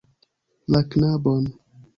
La knabon.